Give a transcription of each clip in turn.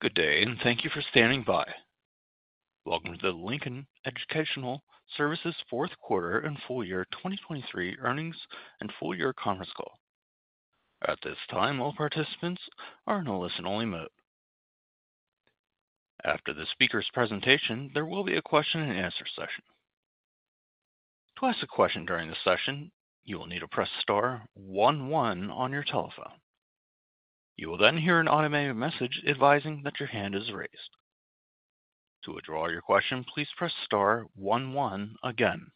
Good day, and thank you for standing by. Welcome to the Lincoln Educational Services fourth quarter and full year 2023 earnings and full year conference call. At this time, all participants are in a listen-only mode. After the speaker's presentation, there will be a question-and-answer session. To ask a question during the session, you will need to press star one one on your telephone. You will then hear an automated message advising that your hand is raised. To withdraw your question, please press star one one again.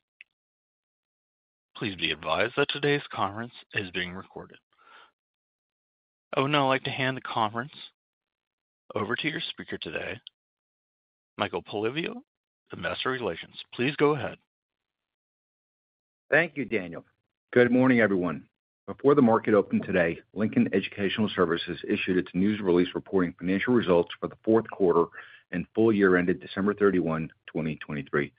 Please be advised that today's conference is being recorded. I would now like to hand the conference over to your speaker today, Michael Polyviou, Investor Relations. Please go ahead. Thank you, Daniel. Good morning, everyone. Before the market opened today Lincoln Educational Services issued its news release reporting financial results for the fourth quarter and full year ended December 31, 2023.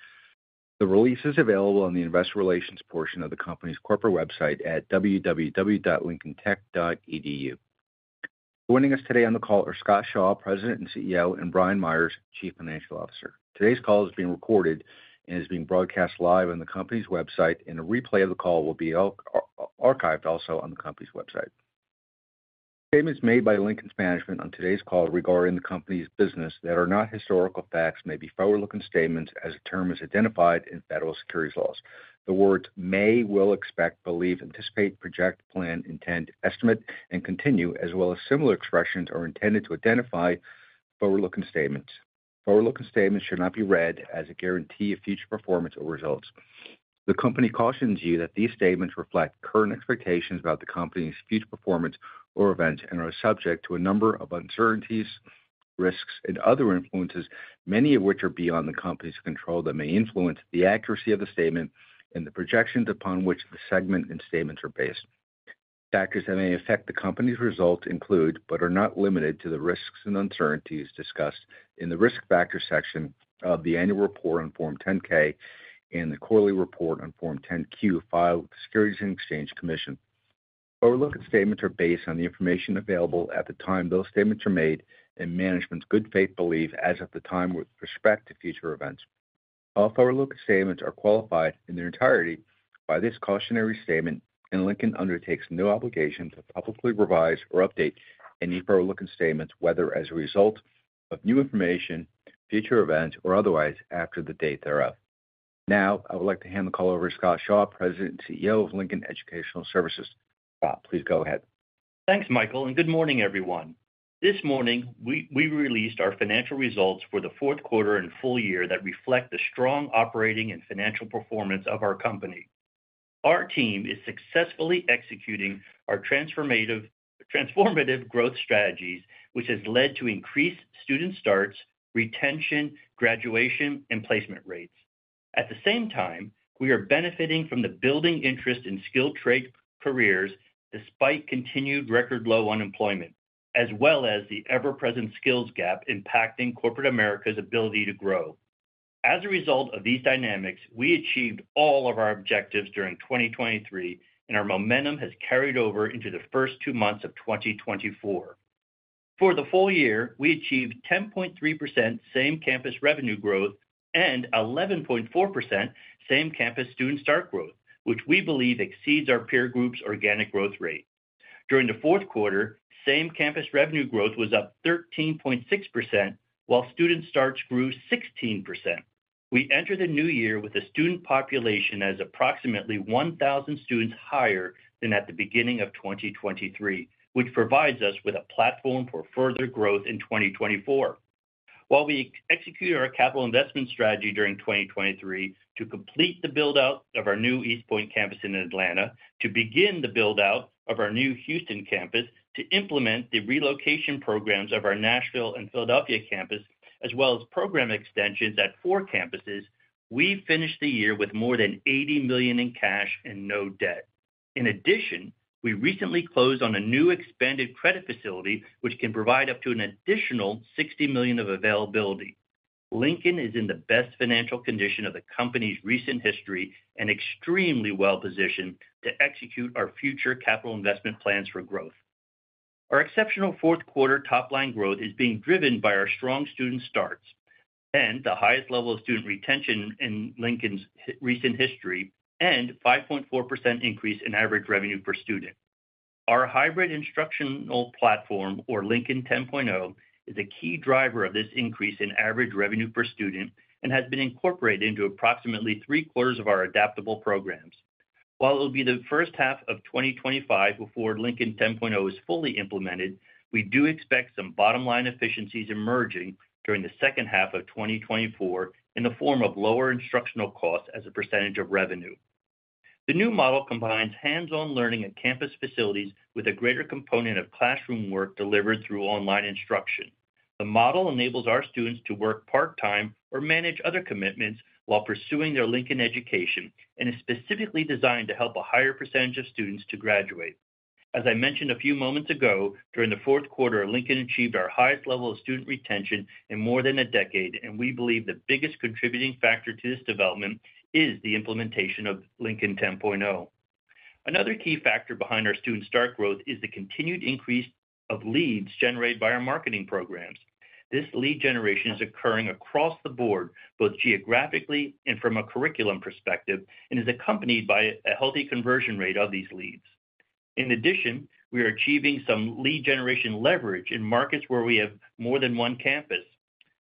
The release is available on the investor relations portion of the company's corporate website at www.lincolntech.edu. Joining us today on the call are Scott Shaw, President and CEO, and Brian Meyers, Chief Financial Officer. Today's call is being recorded and is being broadcast live on the company's website, and a replay of the call will be archived also on the company's website. Statements made by Lincoln's management on today's call regarding the company's business that are not historical facts may be forward-looking statements as the term is identified in federal securities laws. The words may, will, expect, believe, anticipate, project, plan, intend, estimate, and continue, as well as similar expressions, are intended to identify forward-looking statements. Forward-looking statements should not be read as a guarantee of future performance or results. The company cautions you that these statements reflect current expectations about the company's future performance or events and are subject to a number of uncertainties, risks, and other influences, many of which are beyond the company's control, that may influence the accuracy of the statement and the projections upon which the segment and statements are based. Factors that may affect the company's results include, but are not limited to, the risks and uncertainties discussed in the Risk Factors section of the annual report on Form 10-K and the quarterly report on Form 10-Q, filed with the Securities and Exchange Commission. Forward-looking statements are based on the information available at the time those statements are made and management's good faith belief as of the time with respect to future events. All forward-looking statements are qualified in their entirety by this cautionary statement, and Lincoln undertakes no obligation to publicly revise or update any forward-looking statements, whether as a result of new information, future events, or otherwise after the date thereof. Now, I would like to hand the call over to Scott Shaw, President and CEO of Lincoln Educational Services. Scott, please go ahead. Thanks, Michael, and good morning, everyone. This morning, we released our financial results for the fourth quarter and full year that reflect the strong operating and financial performance of our company. Our team is successfully executing our transformative growth strategies, which has led to increased student starts, retention, graduation, and placement rates. At the same time, we are benefiting from the building interest in skilled trade careers despite continued record-low unemployment, as well as the ever-present skills gap impacting corporate America's ability to grow. As a result of these dynamics, we achieved all of our objectives during 2023, and our momentum has carried over into the first two months of 2024. For the full year, we achieved 10.3% same-campus revenue growth and 11.4% same-campus student start growth, which we believe exceeds our peer group's organic growth rate. During the fourth quarter, same-campus revenue growth was up 13.6%, while student starts grew 16%. We entered the new year with a student population of approximately 1,000 students higher than at the beginning of 2023, which provides us with a platform for further growth in 2024. While we executed our capital investment strategy during 2023 to complete the build-out of our new East Point campus in Atlanta, to begin the build-out of our new Houston campus, to implement the relocation programs of our Nashville and Philadelphia campus, as well as program extensions at four campuses, we finished the year with more than $80 million in cash and no debt. In addition, we recently closed on a new expanded credit facility, which can provide up to an additional $60 million of availability. Lincoln is in the best financial condition of the company's recent history and extremely well-positioned to execute our future capital investment plans for growth. Our exceptional fourth quarter top-line growth is being driven by our strong student starts and the highest level of student retention in Lincoln's recent history, and 5.4% increase in average revenue per student. Our hybrid instructional platform, or Lincoln 10.0, is a key driver of this increase in average revenue per student and has been incorporated into approximately three-quarters of our adaptable programs. While it will be the first half of 2025 before Lincoln 10.0 is fully implemented, we do expect some bottom-line efficiencies emerging during the second half of 2024 in the form of lower instructional costs as a percentage of revenue. The new model combines hands-on learning and campus facilities with a greater component of classroom work delivered through online instruction. The model enables our students to work part-time or manage other commitments while pursuing their Lincoln education and is specifically designed to help a higher percentage of students to graduate. As I mentioned a few moments ago, during the fourth quarter, Lincoln achieved our highest level of student retention in more than a decade, and we believe the biggest contributing factor to this development is the implementation of Lincoln 10.0. Another key factor behind our student start growth is the continued increase of leads generated by our marketing programs. This lead generation is occurring across the board, both geographically and from a curriculum perspective, and is accompanied by a healthy conversion rate of these leads. In addition, we are achieving some lead generation leverage in markets where we have more than one campus.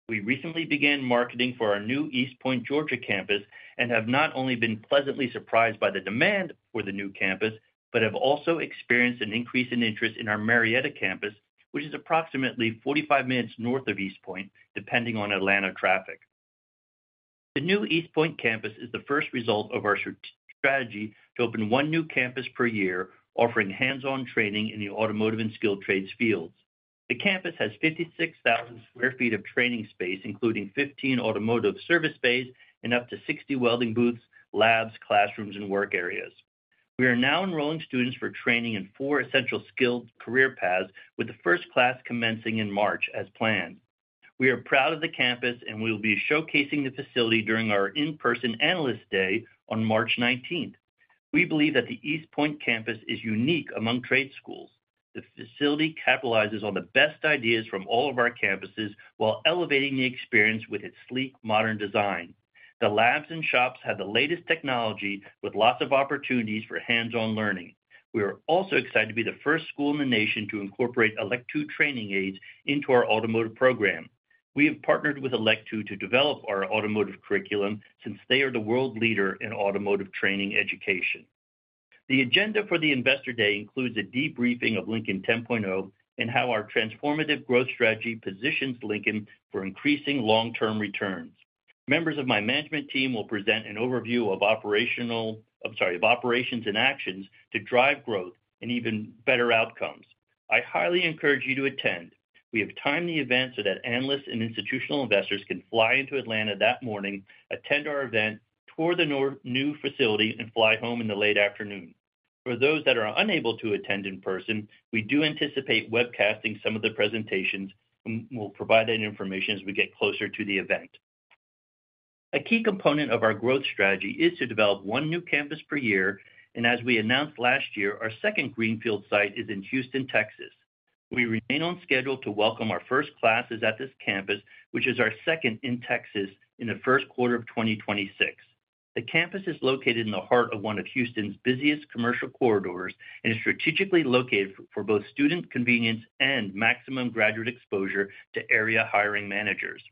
We recently began marketing for our new East Point, Georgia, campus, and have not only been pleasantly surprised by the demand for the new campus, but have also experienced an increase in interest in our Marietta campus, which is approximately 45 minutes north of East Point, depending on Atlanta traffic. The new East Point campus is the first result of our strategy to open one new campus per year, offering hands-on training in the automotive and skilled trades fields. The campus has 56,000 sq ft of training space, including 15 automotive service bays and up to 60 welding booths, labs, classrooms, and work areas. We are now enrolling students for training in four essential skilled career paths, with the first class commencing in March as planned. We are proud of the campus, and we will be showcasing the facility during our in-person Analyst Day on March 19th. We believe that the East Point campus is unique among trade schools. The facility capitalizes on the best ideas from all of our campuses while elevating the experience with its sleek, modern design. The labs and shops have the latest technology, with lots of opportunities for hands-on learning. We are also excited to be the first school in the nation to incorporate Electude training aids into our automotive program. We have partnered with Electude to develop our automotive curriculum since they are the world leader in automotive training education. The agenda for the Investor Day includes a debriefing of Lincoln 10.0 and how our transformative growth strategy positions Lincoln for increasing long-term returns. Members of my management team will present an overview of operations and actions to drive growth and even better outcomes. I highly encourage you to attend. We have timed the event so that analysts and institutional investors can fly into Atlanta that morning, attend our event, tour the new facility, and fly home in the late afternoon. For those that are unable to attend in person, we do anticipate webcasting some of the presentations, and we'll provide that information as we get closer to the event. A key component of our growth strategy is to develop one new campus per year, and as we announced last year, our second greenfield site is in Houston, Texas. We remain on schedule to welcome our first classes at this campus, which is our second in Texas, in the first quarter of 2026. The campus is located in the heart of one of Houston's busiest commercial corridors and is strategically located for both student convenience and maximum graduate exposure to area hiring managers.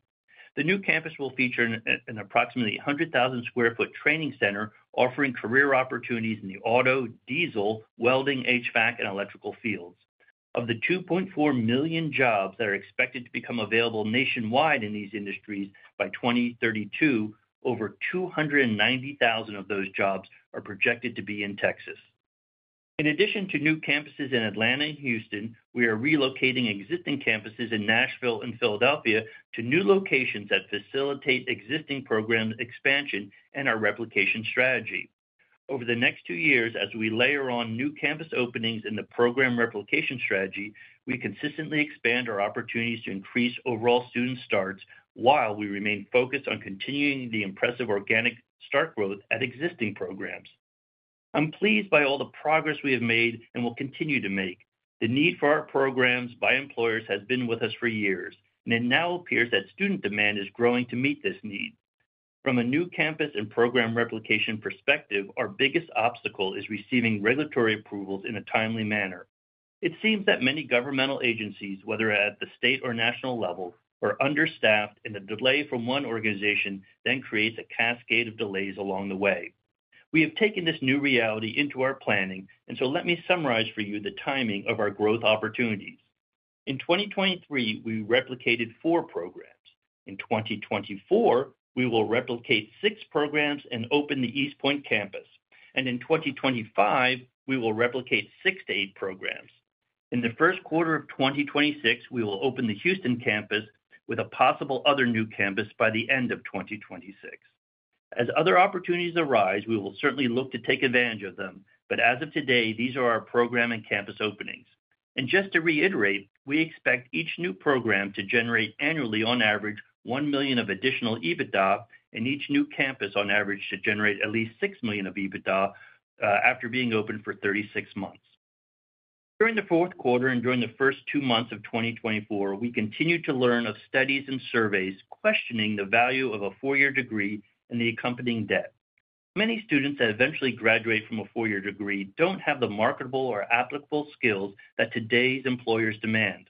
The new campus will feature an approximately 100,000 sq ft training center, offering career opportunities in the auto, diesel, welding, HVAC, and electrical fields. Of the 2.4 million jobs that are expected to become available nationwide in these industries by 2032, over 290,000 of those jobs are projected to be in Texas. In addition to new campuses in Atlanta and Houston, we are relocating existing campuses in Nashville and Philadelphia to new locations that facilitate existing program expansion and our replication strategy. Over the next two years, as we layer on new campus openings in the program replication strategy, we consistently expand our opportunities to increase overall student starts while we remain focused on continuing the impressive organic start growth at existing programs. I'm pleased by all the progress we have made and will continue to make. The need for our programs by employers has been with us for years, and it now appears that student demand is growing to meet this need. From a new campus and program replication perspective, our biggest obstacle is receiving regulatory approvals in a timely manner. It seems that many governmental agencies, whether at the state or national level, are understaffed, and the delay from one organization then creates a cascade of delays along the way. We have taken this new reality into our planning, and so let me summarize for you the timing of our growth opportunities. In 2023, we replicated four programs. In 2024, we will replicate six programs and open the East Point campus. In 2025, we will replicate six to eight programs. In the first quarter of 2026, we will open the Houston campus, with a possible other new campus by the end of 2026. As other opportunities arise, we will certainly look to take advantage of them, but as of today, these are our program and campus openings. Just to reiterate, we expect each new program to generate annually, on average, $1 million of additional EBITDA, and each new campus, on average, to generate at least $6 million of EBITDA after being open for 36 months. During the fourth quarter and during the first two months of 2024, we continued to learn of studies and surveys questioning the value of a four-year degree and the accompanying debt. Many students that eventually graduate from a four-year degree don't have the marketable or applicable skills that today's employers demand.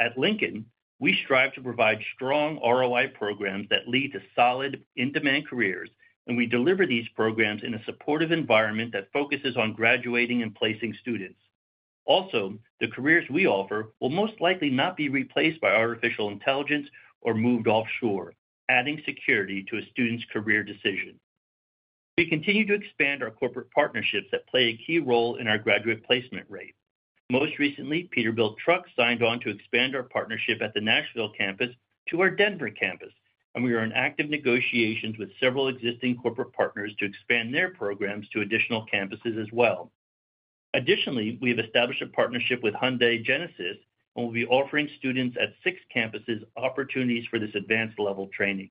At Lincoln, we strive to provide strong ROI programs that lead to solid, in-demand careers, and we deliver these programs in a supportive environment that focuses on graduating and placing students. Also, the careers we offer will most likely not be replaced by artificial intelligence or moved offshore, adding security to a student's career decision. We continue to expand our corporate partnerships that play a key role in our graduate placement rate. Most recently, Peterbilt Truck signed on to expand our partnership at the Nashville campus to our Denver campus, and we are in active negotiations with several existing corporate partners to expand their programs to additional campuses as well. Additionally, we have established a partnership with Hyundai Genesis, and we'll be offering students at six campuses opportunities for this advanced level training.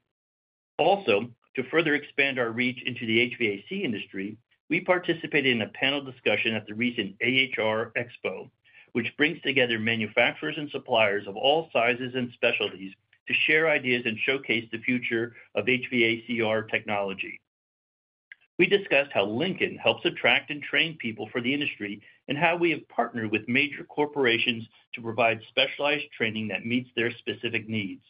Also, to further expand our reach into the HVAC industry, we participated in a panel discussion at the recent AHR Expo, which brings together manufacturers and suppliers of all sizes and specialties to share ideas and showcase the future of HVACR technology. We discussed how Lincoln helps attract and train people for the industry, and how we have partnered with major corporations to provide specialized training that meets their specific needs.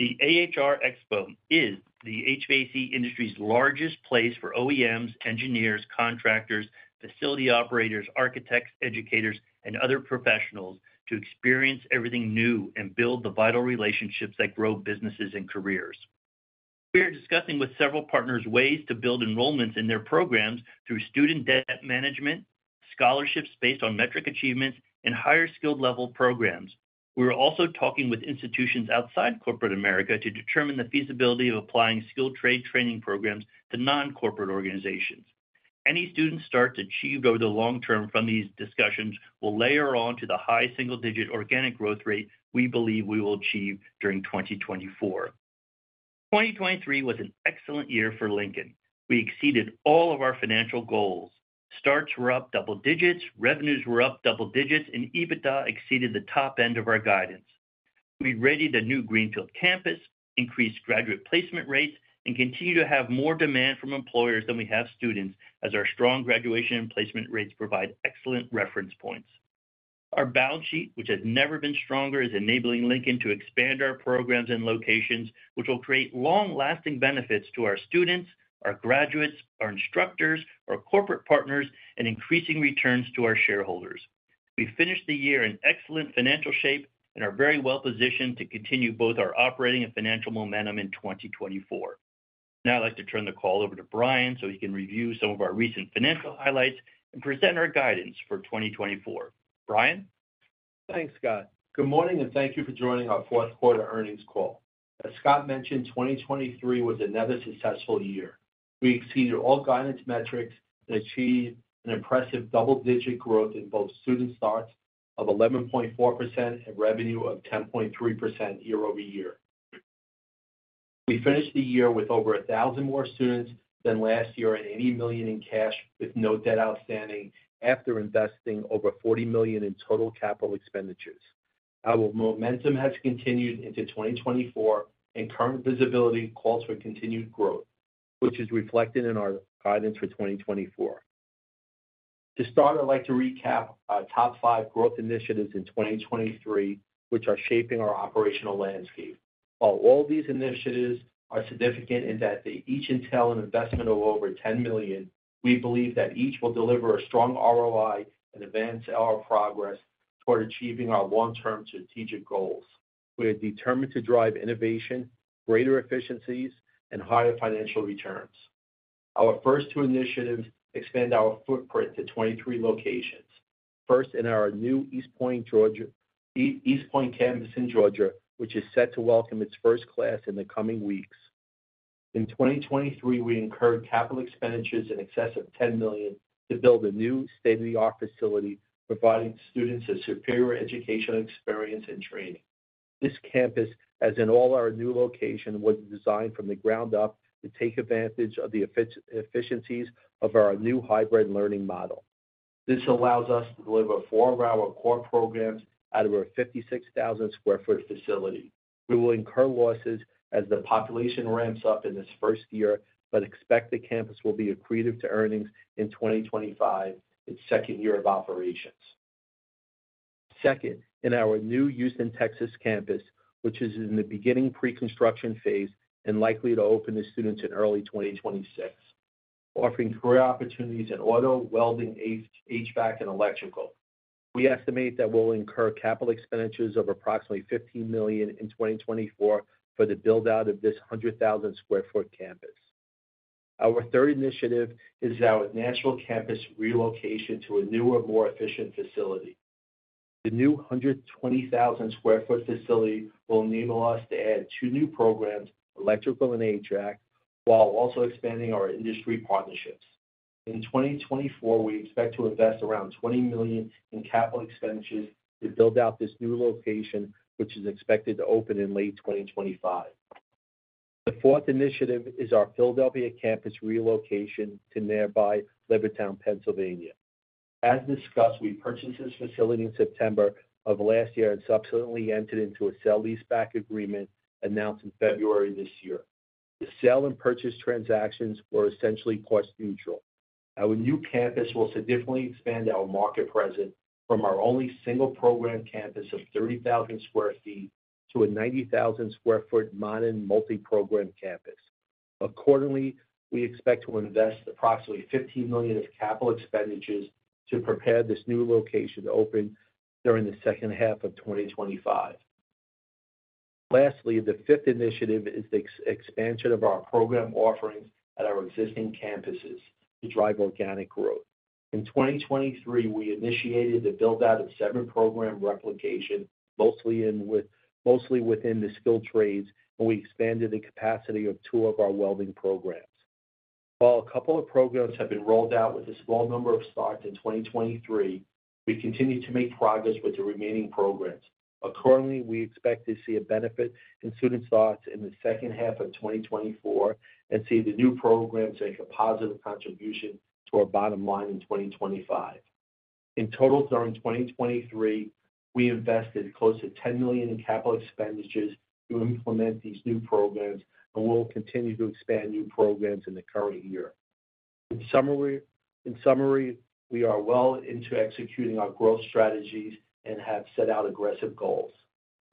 The AHR Expo is the HVAC industry's largest place for OEMs, engineers, contractors, facility operators, architects, educators, and other professionals to experience everything new and build the vital relationships that grow businesses and careers. We are discussing with several partners ways to build enrollments in their programs through student debt management, scholarships based on metric achievements, and higher skilled level programs. We're also talking with institutions outside corporate America to determine the feasibility of applying skilled trade training programs to non-corporate organizations. Any student starts achieved over the long term from these discussions will layer on to the high single-digit organic growth rate we believe we will achieve during 2024. 2023 was an excellent year for Lincoln. We exceeded all of our financial goals. Starts were up double digits, revenues were up double digits, and EBITDA exceeded the top end of our guidance. We readied a new greenfield campus, increased graduate placement rates, and continue to have more demand from employers than we have students, as our strong graduation and placement rates provide excellent reference points. Our balance sheet, which has never been stronger, is enabling Lincoln to expand our programs and locations, which will create long-lasting benefits to our students, our graduates, our instructors, our corporate partners, and increasing returns to our shareholders. We finished the year in excellent financial shape and are very well positioned to continue both our operating and financial momentum in 2024. Now I'd like to turn the call over to Brian, so he can review some of our recent financial highlights and present our guidance for 2024. Brian? Thanks, Scott. Good morning, and thank you for joining our fourth quarter earnings call. As Scott mentioned, 2023 was another successful year. We exceeded all guidance metrics and achieved an impressive double-digit growth in both student starts of 11.4% and revenue of 10.3% year-over-year. We finished the year with over 1,000 more students than last year and $80 million in cash, with no debt outstanding, after investing over $40 million in total capital expenditures. Our momentum has continued into 2024, and current visibility calls for continued growth, which is reflected in our guidance for 2024. To start, I'd like to recap our top five growth initiatives in 2023, which are shaping our operational landscape. While all these initiatives are significant in that they each entail an investment of over $10 million, we believe that each will deliver a strong ROI and advance our progress toward achieving our long-term strategic goals. We are determined to drive innovation, greater efficiencies, and higher financial returns. Our first two initiatives expand our footprint to 23 locations. First, in our new East Point, Georgia, East Point campus in Georgia, which is set to welcome its first class in the coming weeks. In 2023, we incurred capital expenditures in excess of $10 million to build a new state-of-the-art facility, providing students a superior educational experience and training. This campus, as in all our new locations, was designed from the ground up to take advantage of the efficiencies of our new hybrid learning model. This allows us to deliver four of our core programs out of our 56,000 sq ft facility. We will incur losses as the population ramps up in this first year, but expect the campus will be accretive to earnings in 2025, its second year of operations. Second, in our new Houston, Texas campus, which is in the beginning pre-construction phase and likely to open to students in early 2026, offering career opportunities in auto, welding, HVAC, and electrical. We estimate that we'll incur capital expenditures of approximately $15 million in 2024 for the build-out of this 100,000 sq ft campus. Our third initiative is our national campus relocation to a newer, more efficient facility. The new 120,000 sq ft facility will enable us to add two new programs, electrical and HVAC, while also expanding our industry partnerships. In 2024, we expect to invest around $20 million in capital expenditures to build out this new location, which is expected to open in late 2025. The fourth initiative is our Philadelphia campus relocation to nearby Levittown, Pennsylvania. As discussed, we purchased this facility in September of last year and subsequently entered into a sale-leaseback agreement announced in February this year. The sale and purchase transactions were essentially cost neutral. Our new campus will significantly expand our market presence from our only single program campus of 30,000 sq ft-90,000 sq ft modern multi-program campus. Accordingly, we expect to invest approximately $15 million of capital expenditures to prepare this new location to open during the second half of 2025. Lastly, the fifth initiative is the expansion of our program offerings at our existing campuses to drive organic growth. In 2023, we initiated the build-out of seven program replication, mostly within the skilled trades, and we expanded the capacity of two of our welding programs. While a couple of programs have been rolled out with a small number of starts in 2023, we continue to make progress with the remaining programs. Currently, we expect to see a benefit in student starts in the second half of 2024, and see the new programs make a positive contribution to our bottom line in 2025. In total, during 2023, we invested close to $10 million in capital expenditures to implement these new programs, and we'll continue to expand new programs in the current year. In summary, we are well into executing our growth strategies and have set out aggressive goals.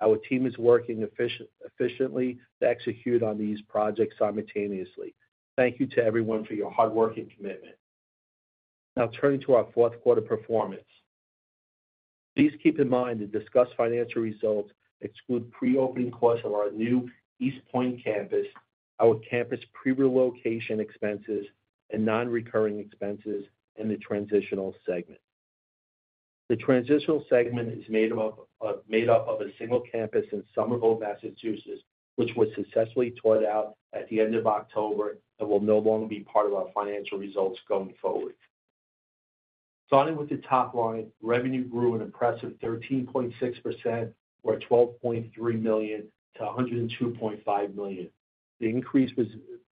Our team is working efficiently to execute on these projects simultaneously. Thank you to everyone for your hard work and commitment. Now turning to our fourth quarter performance. Please keep in mind the discussed financial results exclude pre-opening costs of our new East Point campus, our campus pre-relocation expenses, and non-recurring expenses in the transitional segment. The transitional segment is made up of a single campus in Somerville, Massachusetts, which was successfully taught out at the end of October and will no longer be part of our financial results going forward. Starting with the top line, revenue grew an impressive 13.6%, or $12.3 million to $102.5 million. The increase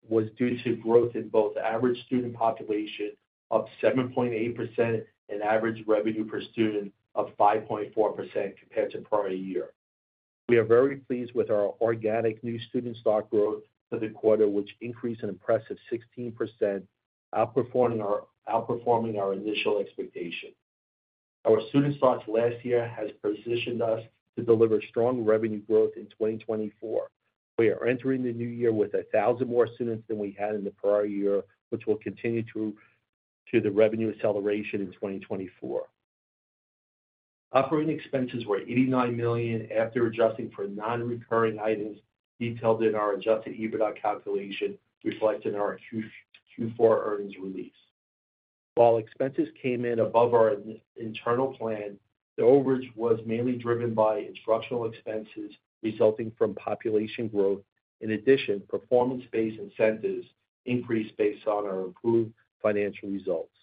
was due to growth in both average student population, up 7.8%, and average revenue per student of 5.4% compared to the prior year. We are very pleased with our organic new student start growth for the quarter, which increased an impressive 16%, outperforming our initial expectation. Our student starts last year has positioned us to deliver strong revenue growth in 2024. We are entering the new year with 1,000 more students than we had in the prior year, which will continue to the revenue acceleration in 2024. Operating expenses were $89 million after adjusting for non-recurring items detailed in our adjusted EBITDA calculation, reflected in our Q4 earnings release. While expenses came in above our internal plan, the overage was mainly driven by instructional expenses resulting from population growth. In addition, performance-based incentives increased based on our improved financial results.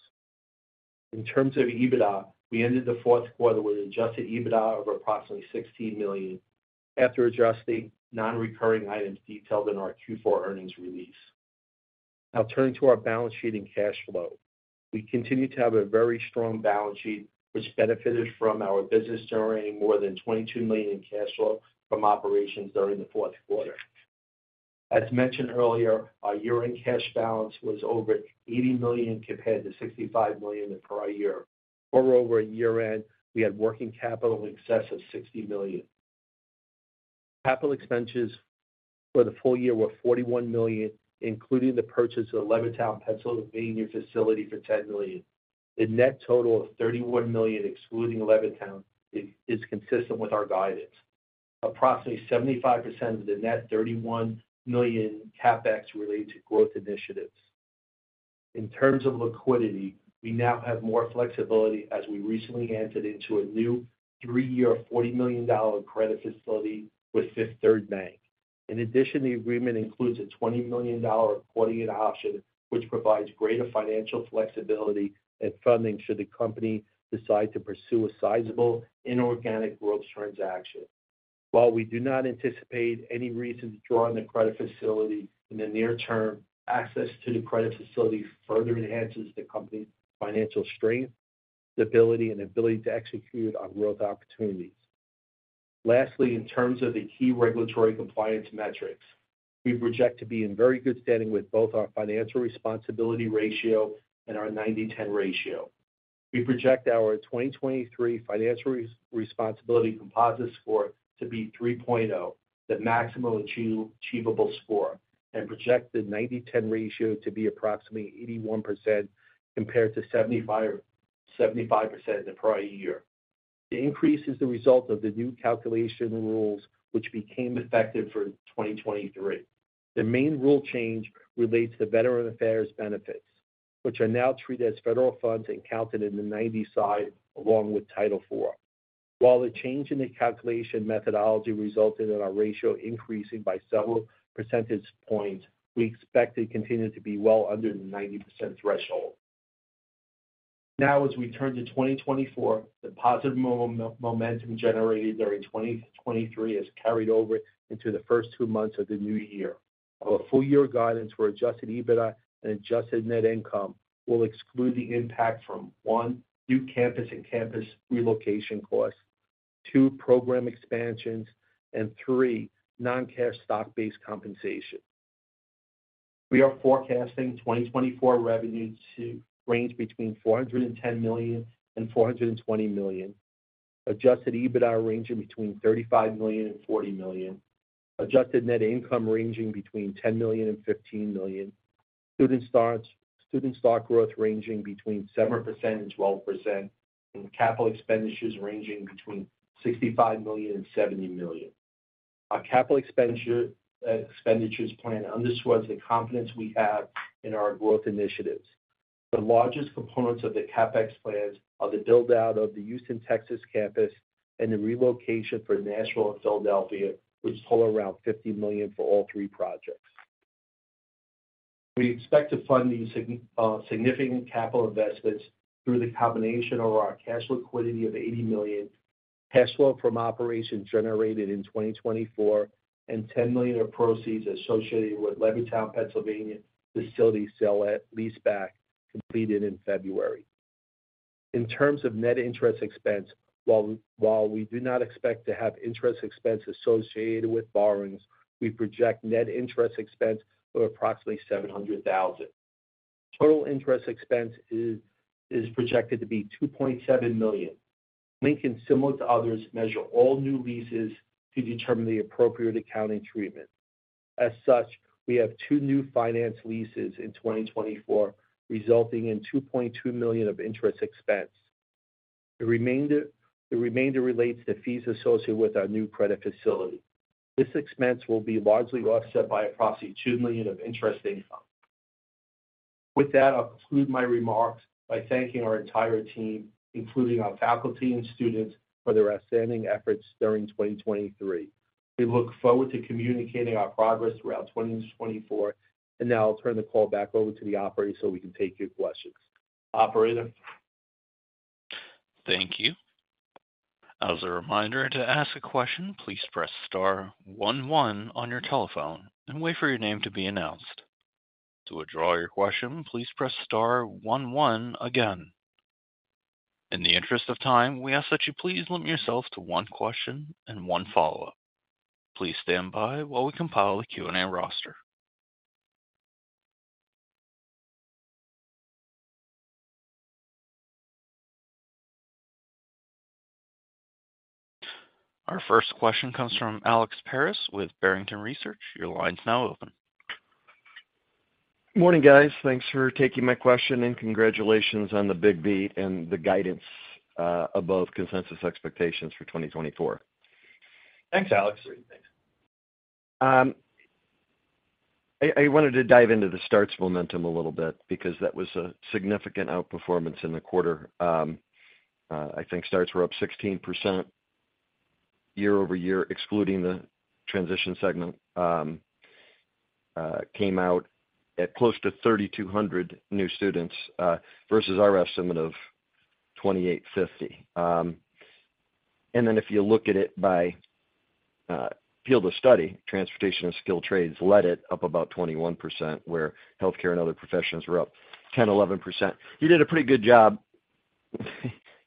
In terms of EBITDA, we ended the fourth quarter with adjusted EBITDA of approximately $16 million after adjusting non-recurring items detailed in our Q4 earnings release. Now turning to our balance sheet and cash flow. We continue to have a very strong balance sheet, which benefited from our business generating more than $22 million in cash flow from operations during the fourth quarter. As mentioned earlier, our year-end cash balance was over $80 million, compared to $65 million the prior year. Moreover, at year-end, we had working capital in excess of $60 million. Capital expenses for the full year were $41 million, including the purchase of the Levittown, Pennsylvania, facility for $10 million. The net total of $31 million, excluding Levittown, is consistent with our guidance. Approximately 75% of the net $31 million CapEx relate to growth initiatives. In terms of liquidity, we now have more flexibility as we recently entered into a new three-year, $40 million credit facility with Fifth Third Bank. In addition, the agreement includes a $20 million credit option, which provides greater financial flexibility and funding should the company decide to pursue a sizable inorganic growth transaction. While we do not anticipate any reason to draw on the credit facility in the near term, access to the credit facility further enhances the company's financial strength, stability, and ability to execute on growth opportunities. Lastly, in terms of the key regulatory compliance metrics, we project to be in very good standing with both our Financial Responsibility Composite Score and our 90/10 ratio. We project our 2023 Financial Responsibility Composite Score to be 3.0, the maximum achievable score, and project the 90/10 ratio to be approximately 81% compared to 75% in the prior year. The increase is the result of the new calculation rules, which became effective for 2023. The main rule change relates to Veterans Affairs benefits, which are now treated as federal funds and counted in the 90 side along with Title IV. While the change in the calculation methodology resulted in our ratio increasing by several percentage points, we expect it continued to be well under the 90% threshold. Now, as we turn to 2024, the positive momentum generated during 2023 has carried over into the first two months of the new year. Our full-year guidance for adjusted EBITDA and adjusted net income will exclude the impact from, one, new campus and campus relocation costs, two, program expansions, and three, non-cash stock-based compensation. We are forecasting 2024 revenue to range between $410 million and $420 million, adjusted EBITDA ranging between $35 million and $40 million, adjusted net income ranging between $10 million and $15 million, student starts and student stock growth ranging between 7% and 12%, and capital expenditures ranging between $65 million and $70 million. Our capital expenditures plan underscores the confidence we have in our growth initiatives. The largest components of the CapEx plans are the build-out of the Houston, Texas campus and the relocation for Nashville and Philadelphia, which total around $50 million for all three projects. We expect to fund these significant capital investments through the combination of our cash liquidity of $80 million, cash flow from operations generated in 2024, and $10 million of proceeds associated with Levittown, Pennsylvania facility sale-leaseback, completed in February. In terms of net interest expense, while, while we do not expect to have interest expense associated with borrowings, we project net interest expense of approximately $700,000. Total interest expense is, is projected to be $2.7 million. Lincoln, similar to others, measure all new leases to determine the appropriate accounting treatment. As such, we have two new finance leases in 2024, resulting in $2.2 million of interest expense. The remainder, the remainder relates to fees associated with our new credit facility. This expense will be largely offset by approximately $2 million of interest income. With that, I'll conclude my remarks by thanking our entire team, including our faculty and students, for their outstanding efforts during 2023. We look forward to communicating our progress throughout 2024, and now I'll turn the call back over to the operator, so we can take your questions. Operator? Thank you. As a reminder, to ask a question, please press star one, one on your telephone and wait for your name to be announced. To withdraw your question, please press star one, one again. In the interest of time, we ask that you please limit yourselves to one question and one follow-up. Please stand by while we compile a Q&A roster. Our first question comes from Alex Paris with Barrington Research. Your line's now open. Morning, guys. Thanks for taking my question, and congratulations on the big beat and the guidance above consensus expectations for 2024. Thanks, Alex. I wanted to dive into the starts momentum a little bit because that was a significant outperformance in the quarter. I think starts were up 16% year-over-year, excluding the transitional segment, came out at close to 3,200 new students, versus our estimate of 2,850. And then if you look at it by field of study, Transportation and Skilled Trades led it up about 21%, where Healthcare and Other Professions were up 10%-11%. You did a pretty good job,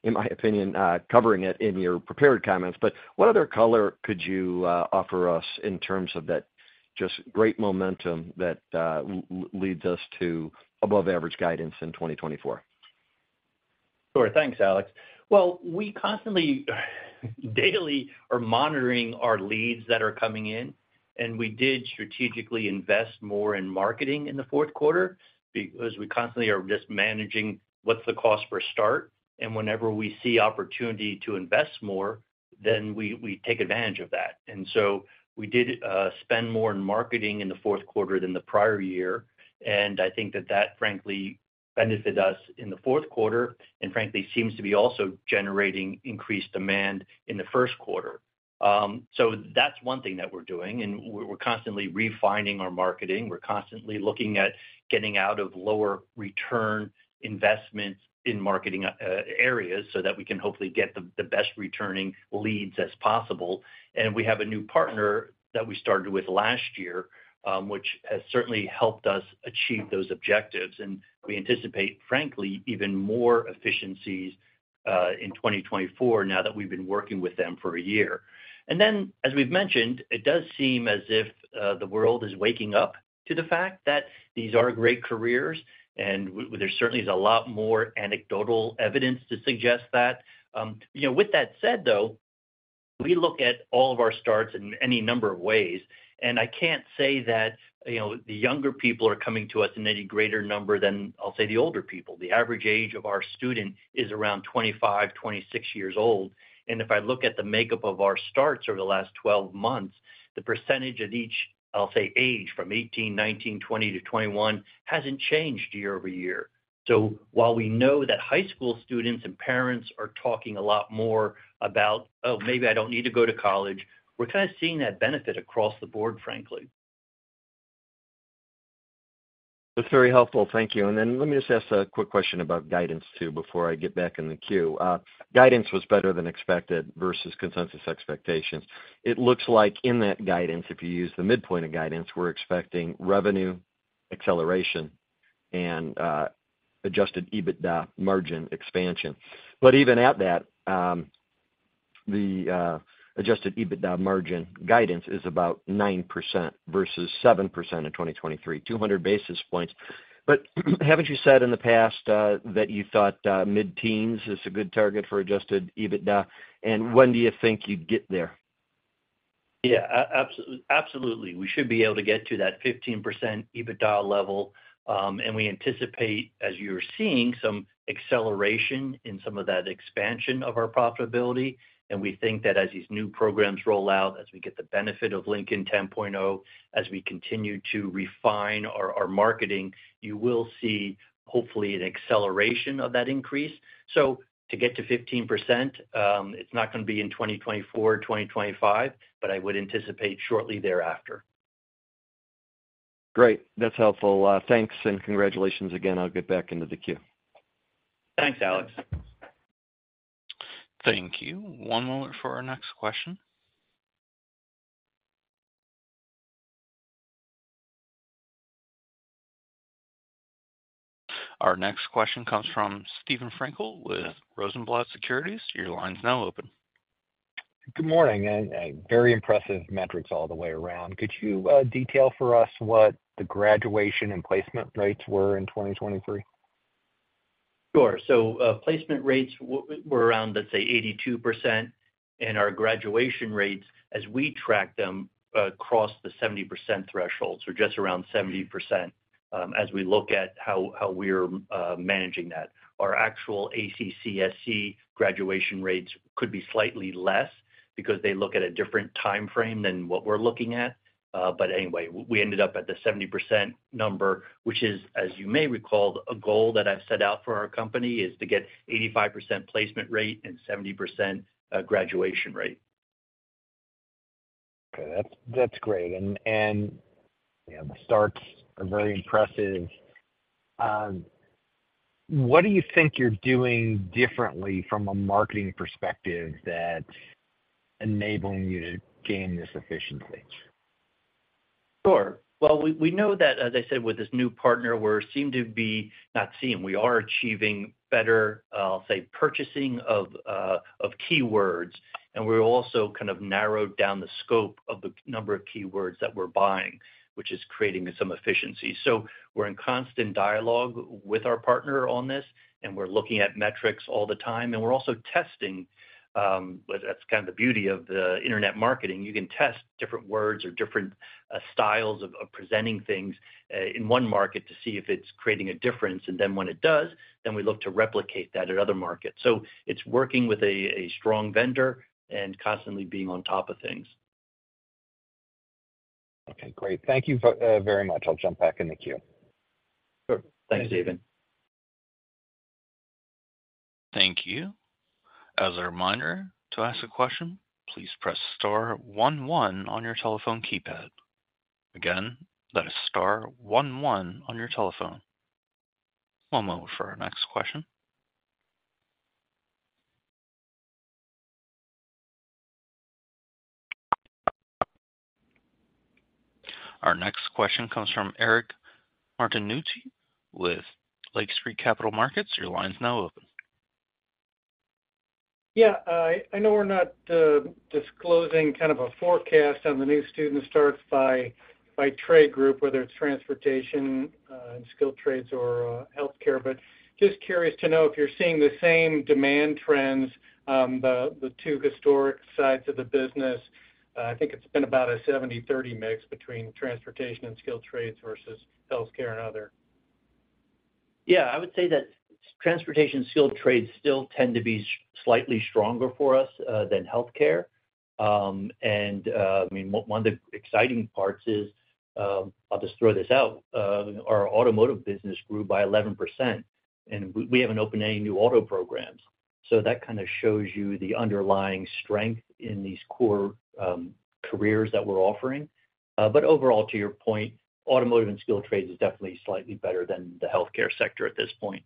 in my opinion, covering it in your prepared comments, but what other color could you offer us in terms of that just great momentum that leads us to above-average guidance in 2024? Sure. Thanks, Alex. Well, we constantly, daily, are monitoring our leads that are coming in, and we did strategically invest more in marketing in the fourth quarter because we constantly are just managing what's the cost per start. And whenever we see opportunity to invest more, then we take advantage of that. And so we did spend more in marketing in the fourth quarter than the prior year, and I think that that frankly benefited us in the fourth quarter, and frankly, seems to be also generating increased demand in the first quarter. So that's one thing that we're doing, and we're constantly refining our marketing. We're constantly looking at getting out of lower return investments in marketing areas so that we can hopefully get the best returning leads as possible. And we have a new partner that we started with last year, which has certainly helped us achieve those objectives, and we anticipate, frankly, even more efficiencies, in 2024 now that we've been working with them for a year. And then, as we've mentioned, it does seem as if, the world is waking up to the fact that these are great careers, and there certainly is a lot more anecdotal evidence to suggest that. You know, with that said, though, we look at all of our starts in any number of ways, and I can't say that, you know, the younger people are coming to us in any greater number than, I'll say, the older people. The average age of our student is around 25, 26 years old, and if I look at the makeup of our starts over the last 12 months, the percentage at each, I'll say, age, from 18, 19, 20 to 21, hasn't changed year over year. So while we know that high school students and parents are talking a lot more about, "Oh, maybe I don't need to go to college.", we're kind of seeing that benefit across the board, frankly. That's very helpful. Thank you. Then let me just ask a quick question about guidance, too, before I get back in the queue. Guidance was better than expected versus consensus expectations. It looks like in that guidance, if you use the midpoint of guidance, we're expecting revenue acceleration and, Adjusted EBITDA margin expansion. But even at that, the, Adjusted EBITDA margin guidance is about 9% versus 7% in 2023, 200 basis points. But, haven't you said in the past, that you thought, mid-teens is a good target for Adjusted EBITDA? And when do you think you'd get there? Yeah, absolutely. We should be able to get to that 15% EBITDA level, and we anticipate, as you're seeing, some acceleration in some of that expansion of our profitability. And we think that as these new programs roll out, as we get the benefit of Lincoln 10.0, as we continue to refine our marketing, you will see, hopefully, an acceleration of that increase. So to get to 15%, it's not gonna be in 2024 or 2025, but I would anticipate shortly thereafter. Great. That's helpful. Thanks, and congratulations again. I'll get back into the queue. Thanks, Alex. Thank you. One moment for our next question. Our next question comes from Steven Frankel with Rosenblatt Securities. Your line's now open. Good morning, and, very impressive metrics all the way around. Could you detail for us what the graduation and placement rates were in 2023? Sure. So, placement rates were around, let's say, 82%, and our graduation rates, as we track them, crossed the 70% threshold, so just around 70%, as we look at how we're managing that. Our actual ACCSC graduation rates could be slightly less because they look at a different time frame than what we're looking at. But anyway, we ended up at the 70% number, which is, as you may recall, a goal that I've set out for our company, is to get 85% placement rate and 70%, graduation rate. Okay, that's great. And yeah, the starts are very impressive. What do you think you're doing differently from a marketing perspective that's enabling you to gain this efficiency? Sure. Well, we know that, as I said, with this new partner, we are achieving better, I'll say, purchasing of keywords, and we're also kind of narrowed down the scope of the number of keywords that we're buying, which is creating some efficiency. So we're in constant dialogue with our partner on this, and we're looking at metrics all the time, and we're also testing. Well, that's kind of the beauty of the internet marketing. You can test different words or different styles of presenting things in one market to see if it's creating a difference. And then when it does, then we look to replicate that in other markets. So it's working with a strong vendor and constantly being on top of things. Okay, great. Thank you very much. I'll jump back in the queue. Sure. Thanks, Steven. Thank you. As a reminder, to ask a question, please press star one one on your telephone keypad. Again, that is star one one on your telephone. One moment for our next question. Our next question comes from Eric Martinuzzi with Lake Street Capital Markets. Your line's now open. Yeah, I know we're not disclosing kind of a forecast on the new student starts by trade group, whether it's transportation and skilled trades or healthcare. But just curious to know if you're seeing the same demand trends, the two historic sides of the business. I think it's been about a 70/30 mix between transportation and skilled trades versus healthcare and other. Yeah, I would say that transportation and skilled trades still tend to be slightly stronger for us than healthcare. And I mean, one of the exciting parts is, I'll just throw this out, our automotive business grew by 11%, and we haven't opened any new auto programs. So that kind of shows you the underlying strength in these core careers that we're offering. But overall, to your point, automotive and skilled trades is definitely slightly better than the healthcare sector at this point.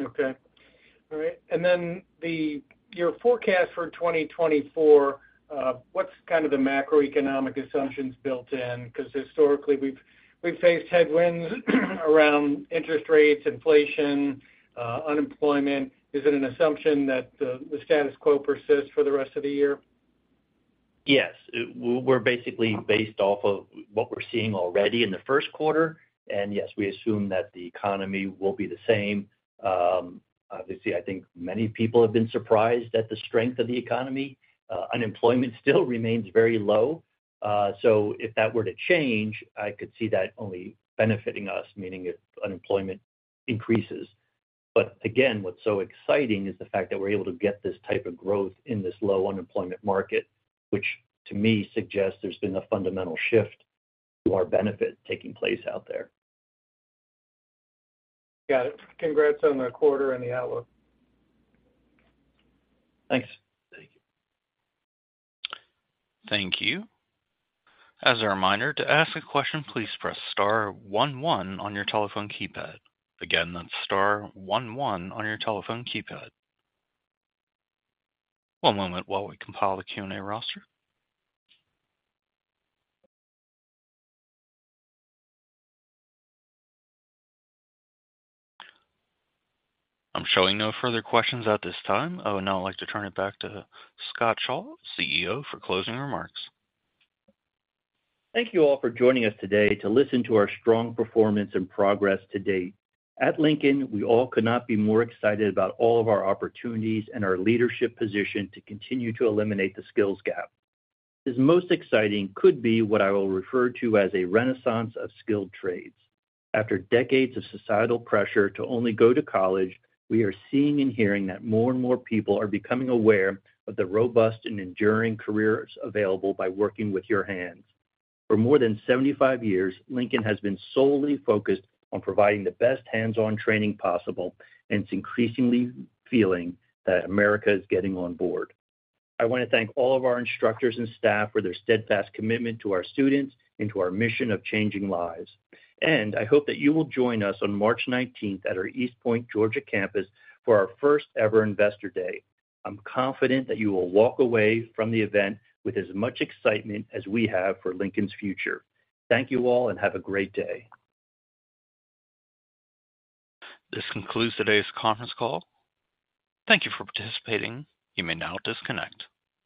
Okay. All right, and then your forecast for 2024, what's kind of the macroeconomic assumptions built in? Because historically, we've faced headwinds around interest rates, inflation, unemployment. Is it an assumption that the status quo persists for the rest of the year? Yes. We're basically based off of what we're seeing already in the first quarter, and yes, we assume that the economy will be the same. Obviously, I think many people have been surprised at the strength of the economy. Unemployment still remains very low. So if that were to change, I could see that only benefiting us, meaning if unemployment increases. But again, what's so exciting is the fact that we're able to get this type of growth in this low unemployment market, which to me suggests there's been a fundamental shift to our benefit taking place out there. Got it. Congrats on the quarter and the outlook. Thanks. Thank you. As a reminder, to ask a question, please press star one one on your telephone keypad. Again, that's star one one on your telephone keypad. One moment while we compile the Q&A roster. I'm showing no further questions at this time. I would now like to turn it back to Scott Shaw, CEO, for closing remarks. Thank you all for joining us today to listen to our strong performance and progress to date. At Lincoln, we all could not be more excited about all of our opportunities and our leadership position to continue to eliminate the skills gap. What is most exciting could be what I will refer to as a renaissance of skilled trades. After decades of societal pressure to only go to college, we are seeing and hearing that more and more people are becoming aware of the robust and enduring careers available by working with your hands. For more than 75 years, Lincoln has been solely focused on providing the best hands-on training possible, and it's increasingly feeling that America is getting on board. I want to thank all of our instructors and staff for their steadfast commitment to our students and to our mission of changing lives. I hope that you will join us on March 19th at our East Point, Georgia, campus for our first ever investor day. I'm confident that you will walk away from the event with as much excitement as we have for Lincoln's future. Thank you all, and have a great day. This concludes today's conference call. Thank you for participating. You may now disconnect.